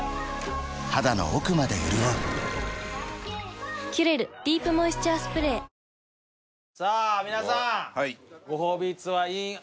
肌の奥まで潤う「キュレルディープモイスチャースプレー」さあ皆さん